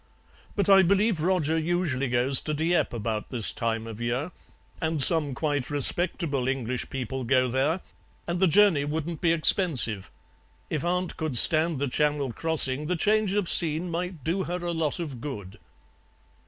But I believe Roger usually goes to Dieppe about this time of year, and some quite respectable English people go there, and the journey wouldn't be expensive. If aunt could stand the Channel crossing the change of scene might do her a lot of good.'